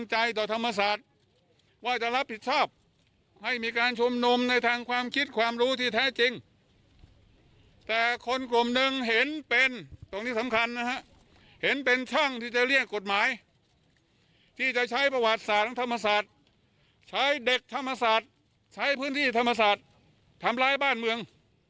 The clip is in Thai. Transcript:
ใช้ประวัติศาสตร์ทั้งธรรมศาสตร์ใช้เด็กธรรมศาสตร์ใช้พื้นที่ธรรมศาสตร์ทำร้ายบ้านเมือง